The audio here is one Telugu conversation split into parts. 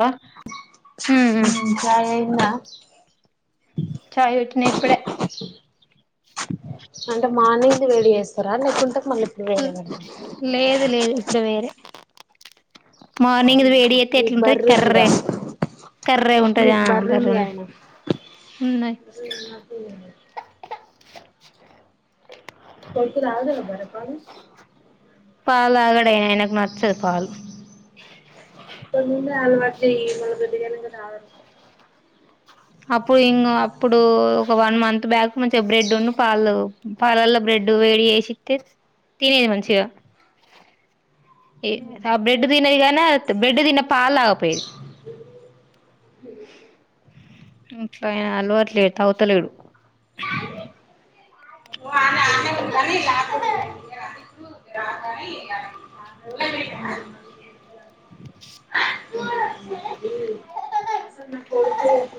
ఆ ఉ చాయ్ అయ్యిందా ఉ చాయ్ పెట్టిన ఇప్పుడే అంటే మార్నింగ్ ది వేడి ఏస్ పోరాళ్లు లేకుంటాది మళ్ళీ ఇప్పుడు వేరే దాని లేదు లేదు ఇప్పుడు వేరే మార్నింగ్ది ఉహు వేడి చేస్తే మీకు ఎట్లుంటది బర్రె ఉంది గా కర్రే కర్రే ఉంటది మీకు ఆ బర్రె ఉంది బర్రున గాయనే ఉన్నాయి ఆ ఉన్నటున్నదే నీ కొడుకు తాగుతాడా బర్రె పాలు పాలు తాగాడు ఆయన ఆయనకు నచ్చదు పాలు ఇప్పటి నుండే అలవాటు చేయ్ మళ్ళీ పెద్దగా అయ్యినంక తాగరు అప్పుడు ఇంగో అప్పుడు ఒక వన్ మంత్ బ్యాక్ నుంచి బ్రెడ్ ఉన్ను పాలు పాలల్ల బ్రెడ్ ఏద్దు వేడి ఏసితే తినేది మంచిగా ఎ సా బ్రెడ్ తినేది గనా తు బ్రెడ్ తిన్నా పాలు తాగా పోయేది ఇంట్ల అయినా అలవాటులేడు తాగుతలేడు మళ్ళీ ల్యాబ్ ఎక్కడ నీకు గ్రా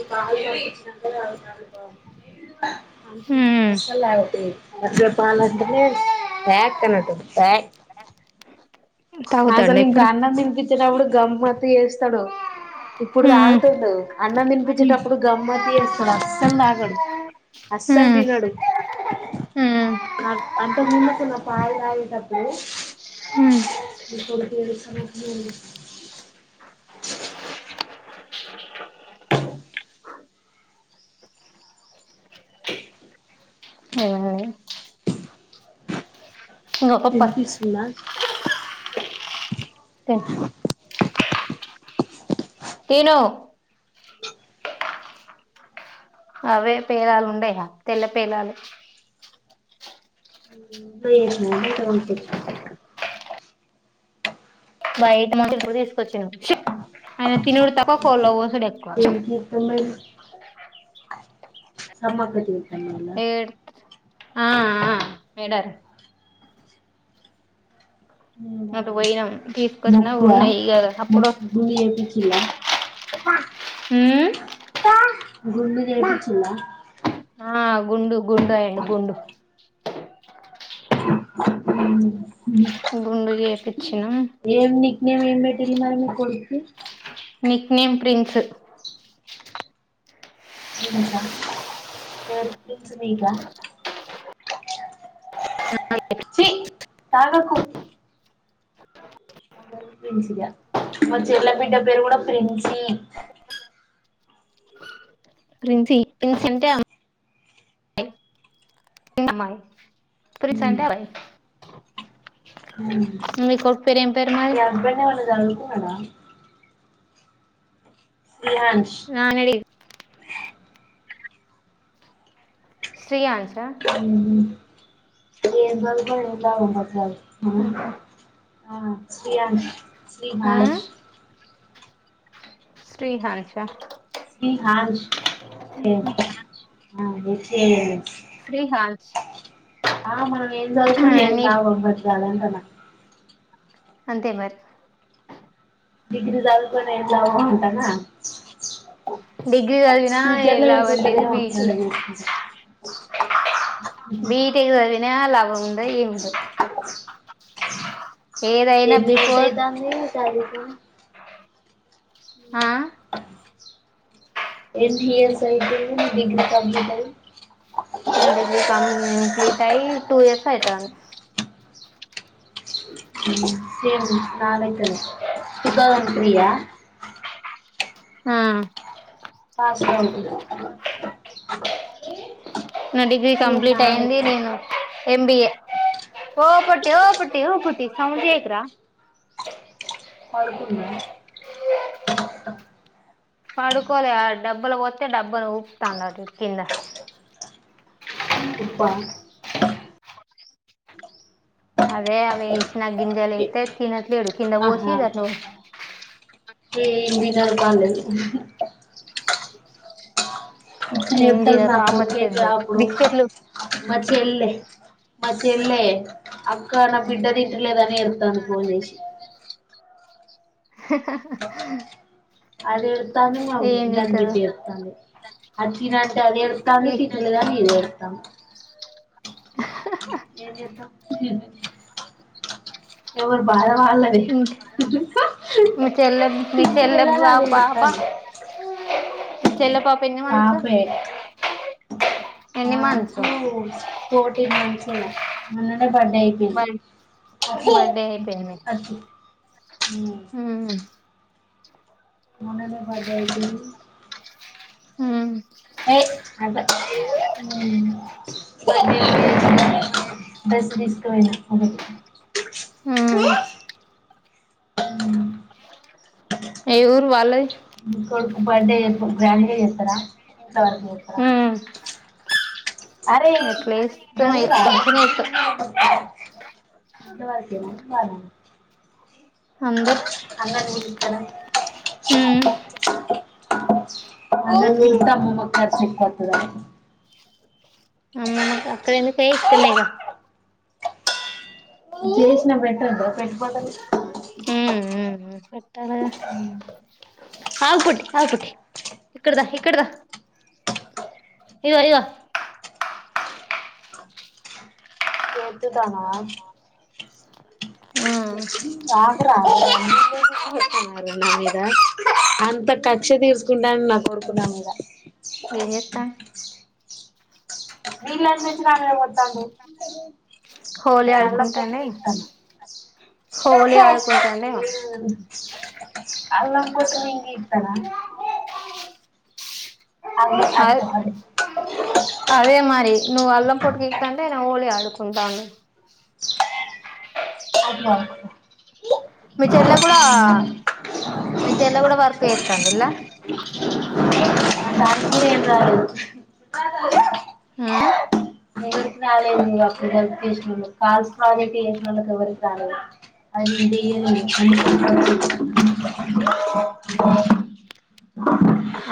నీకు పాలు తగిపించినంకనే అవసరానికో అంతక ముందు అసలు తాగకపోయేది అసలు పాలంటేనే వ్యక్ అని అంటుంది వ్యక్ తాగుతాండ అసలు ఇంకా ఇప్పుడు అన్నం తినిపించినప్పుడు గమ్మతు చేస్తాడు ఇప్పుడు ఉమ్ తాగుతుండు అన్నం తినిపించేటప్పుడు గమ్మతి చేస్తాడు అస్సలు తాగడు అస్సలు ఉమ్ తినడు కాదు అంత ముందుకు నా పాలు తాగేటప్పుడు నా కొడుకు ఏడుస్తానట్టు ఉన్నాడు ఏలా ఏ తినిపిస్తుందా తే తిను అవే పేలాలు ఉండయా తెల్ల పేలాలు ఇంట్ల చేసినాయ బయట కొనుకచ్చి బయట మచ్ ఇప్పుడు తీసుకొచ్చిడు ఆయన తినుడు తప్ప కోళ్లు వోసు దేనికి ఎత్తావ్ మరి నమ్మకండి ఏ ఆ ఆ ఏడార్ పోయినాం తీసుకొచ్చిన మొక్కువా ఉన్నాయి ఇగ అప్పుడు మొక్కు గుండు చేపిచ్చిల్లా [inaudible] ఉమ్ గుండు చేపిచ్చిల్లా ఆ గుండు గుండు అయ్యిండు గుండు [unintelligible] గుండు చేపిచ్చినం ఏమేం పెట్టిరు మరి మీ కొడుక్కి నిక్ నేమ్ ప్రిన్స్ హింస డ్రై ఫ్రూట్స్ నీకా ఛీ [unintelligible] తాగకు మా చెల్లె బిడ్డ పేరు కూడా ప్రిన్సి ప్రిన్సి ప్రిన్సి అంటే మ్మాయి ప్రిన్స్ ఉమ్ అంటే అబ్బాయి మీ మీ కొడుకు పేరు ఏం పేరు మరి హస్బెండ్ ఏమన్నా చదువుకున్నాడా ఇయాన్ష్ నానడి శీయాన్స్ ఆ ఏం చదువుకోలే [unintelligible] ఆ Shreyansh Shrihansh Srihansh Shrihansh S A N Srihans ఆ మనం ఏం చదువుతాం ఏం నీ లాభం అంటానా అంతే మరి డిగ్రీ చదువుకొని ఏం లాభం అంటానా డిగ్రీ చదివినా ఫ్యూచర్ ఏం లో యూస్ లాభం లేదు ఉంటదేమో ఏమన్నా బీటెక్ చేసుకుంటే బీటెక్ చదివినా లాభం ఉండదు ఏముండదు ఎన్ని ఇయర్స్ బిఫోర్ అయితాంది చదువుకోనీ ఆ ఎన్ని ఇయర్స్ అయితుంది నీ డిగ్రీ కంప్లీట్ అయ్యి నా డిగ్రీ కంప్లీట్ అయి టూ ఇయర్స్ అయితాంది సేమ్ నా లెక్కనే టూ థౌసండ్ త్రీ ఆ ఆ పాస్డ్ అవుట్ నా డిగ్రీ సేమ్ కంప్లీట్ నా అయింది లెక్కనే నేను ఎంబిఏ ఓ పొట్టి ఓ పొట్టి ఓ పొట్టి సౌండు చేయకూర పడుకుందా పడుకోలే డబ్బాల పోస్తే డబ్బను ఊపుతాండు అటు కింద [unintelligible] ఉప్పు ఆ అదే అవే ఇచ్చినా గింజాలు ఇత్తే తినట్లేదు కింద పోసి ను ఏది తినరు పాడు లేదు ఏం చెప్తాడు మా తినరు ఆపతి కొడుకు అయితే పెద్దది వామ్మో బిస్కెట్లు మా చెల్లె మా చెల్లె అక్క నా బిడ్డ తింటలేదని ఏడుస్తాంది ఫోన్ చేసి [unintelligible] అది ఏడుస్తాంది ఏం దాని తింటారు బిడ్డ ఏడుస్తాంది అది తిను అంటే అది ఎడ్తాంది ఈ తింటలేదని ఇది ఏడుస్తంది ఏం చేస్తాం ఎవరి బాధ వాళ్లది ఇంక్ మీ చెల్లె మీ చెల్లె తింటలేదని బా అది పాప ఏడుస్తాంది మీ చెల్లే పాప ఎన్ని మంత్స్? పాపే ఎన్ని మంత్స్ నాకు ఫోర్టీన్ మంత్స్ ఏమొ ఆ నా బడ్డే అయిపోయింది బర్ బర్త్డే అయిపోయింది అ ఊ చెపు మొన్ననే బడ్డే అయిపొయింది. ఆ ఏ నా పట్టీలు ఉమ్ బర్త్డే అయిపొయివచ్చినాక బ డ్రెస్ తీసుకుపోయిన అమ్మది ఉమ్ ఏ మ్మ్ ఏ ఊరు వాళ్ళది? కొడుకు బర్డే గ్రాండ్డేగా చెస్తారా? ఇంతవరకు ఓకేనా ఉమ్ అరే ఎట్లా చేస్తాం ఇట్లాని ఇగ మంచిగనే చేత్తం గాదు ఇంతవరకేనా చానా మంచి అందరు అన్నం తినిపిస్తదా ఉమ్ అన్నం తింటా అమ్మమ్మ కధ చెప్పుకొత్తదా అమ్మమ్మ అక్క అక్కడ ఎందుకే ఇక్కడనేగ చేసిన పెట్టొద్ద పెట్టుకుంటంది. ఊహు హు పెట్టాలగ ఆగుపొట్టి ఆగుపొట్టి ఇక్కడదా ఇక్కడదా ఇగో ఇగ ఏత్తుతానా ఉమ్ తాగారా నా మీద అంత కక్ష తీసుకుంటాని నా కొడుకు నా మీద ఏం చెస్తాం? వీళ్ల నుంచి నా మీదకి వత్తాంది. ఉండే హోలీ అల్లం పొట్టు ఆడుకుంటాండేమో గికుతాను హోలీ ఆడుకుంటాండేమో వీళ్ళను అల్లం పోట్టు నేను గికుతానా అదె అటుకోవాలి అదే మరి నువ్వు అల్లం పొట్టు గీక్తంటే నా హోళి ఆడు కుంటాంది ఓహో మీ చెల్ల కూడా మీ చెల్ల కూడా వర్క్ చేతందిల్లా. [unintelligible] ఆ ఎవ్వరికి రాలేదు ఇగ ప్రాజెక్టు చేసినోళ్లకు, కాల్స్ ప్రాజెక్ట్ చేసినోళ్ళకి ఎవరికి రాలేదు అనింది. బి ఎల్ ఏ ఉమ్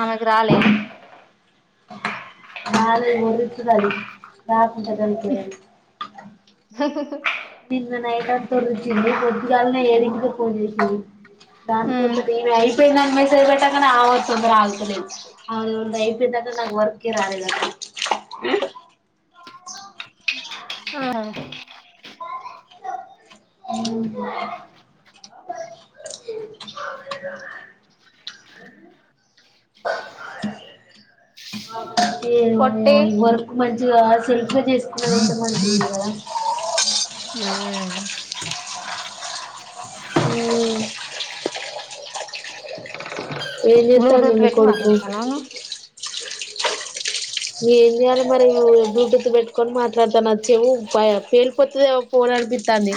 ఆమెకు రాలె రాలె ఎవ్వరికి రాలె రాకుంటలేదు ఎవ్వరికి అహహు నిన్న నైట్ అంత ఓరిచ్చింది పొద్దుగాలనే ఎడింటికే ఫోన్ చేసింది. దానికి ఉమ్ వత్తాది ఈమె అయిపొయింది అని మెసేజ్ పెట్టంగానే ఆమె వస్తుందో రాదో తెలీదు. అంతఅయిపొయింద అసలు నాకు వర్కె రాలేదసలు ఉహు మామూలుగానే అప్ ఏమో పొట్టి ఏమో ఈ వర్క్ మం చిగా శిల్ప చేసుకున్నది ఎంత మంచింది కదా ఉమ్ ఉమ్ ఏం చేత్తండు బ్లూటూత్ మీ పెట్టి కొడుకు మాట్లాడతానవా నువ్వు ఏం చేయాలి మరి బ్లూటూత్ పెట్టుకొని మాట్లాడతాన చెవు పేలిపోతదేమో ఫోన్ అనిపిత్తంది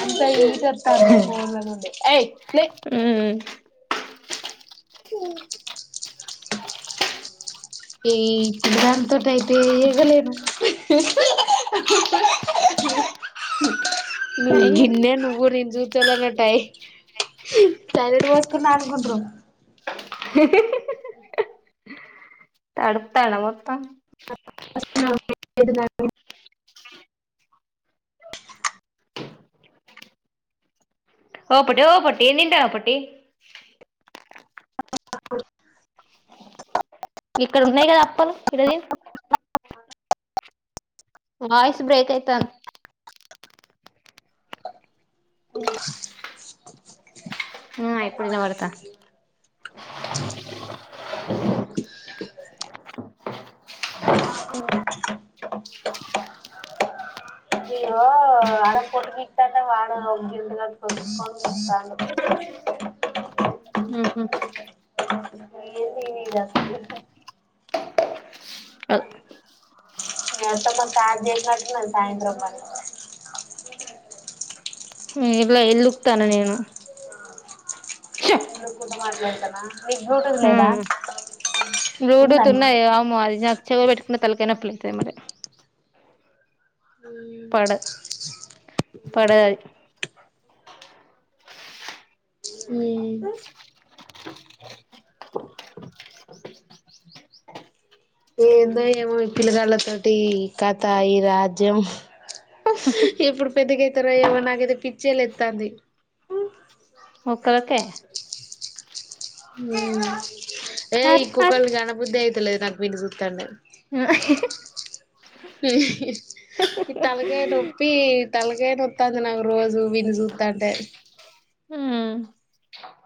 అంత హీట్ వత్తాంది ఫోన్ లో నుండి ఏయ్ లే ఉమ్ ఈ పిల్లగానితోటి అయితే ఏగలేను అయ్యో గిన్నె నువ్వు నేను చుతేలా టైమ్ సైరెడ్ పోసుకున్న అనుకుంటరు అడుత్తండా మొత్తం నా ఓ పొట్టి ఓ పొట్టి ఏం తింటనావ్ పొట్టి అ ఇక్కడ ఉన్నాయి కదా అప్పలు ఈడ తిను వాయిస్ బ్రేక్ అయితాంది ఉ [inaudible] ఉమ్ ఇప్పుడు వినపడతాంది అహో అయ్యో ఆడ పోట్టు పీకుతాంటే వాడు [unintelligible] ఉహు ఏమీ లేదు అసలు అ మీ అత్తమ్మ స్టార్ట్ చేసినట్టు ఉంది సాయంత్రం పని [unintelligible] ఏం లేదు ఇల్లు ఊకుతాన్న నేను ఇల్లు ఊకుతుంట మాట్లాడతానా నీకు బ్లూటూత్ లేదా ఉమ్ ఉందా బ్లూటూత్ నీకు ఉన్నాయి వామ్మో అది నాకు చెవిలో పెట్టుకున్న తలకై నొప్పి లెత్తది మరి పడ పడా ఉమ్ ఏందో ఏమో ఈ పిల్లగాళ్ళతోటి ఈ కథ ఈ రాజ్యం ఎప్పుడు పెద్దగా అయితరో ఏమో నాకైతే పిచ్చే లేత్తంది ఒకళ్ళకే ఉమ్ ఏ అరే అరే ఇంకొకల్ని కనబుద్ధి అయితలేదు నాకు వీన్ని చూత్తంటే ఉమ్ ఈ తలకాయ నొప్పి యీ తలకాయ నో ప్పిత్తాంది నాకు రోజు వీన్ని చూత్తంటే ఉమ్